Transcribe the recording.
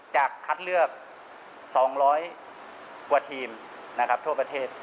จากคัดเลือก๒๐๐กว่าทีมทั่วประเทศ